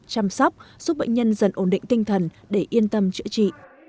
chăm sóc giúp bệnh nhân dần ổn định tinh thần để yên tâm chữa trị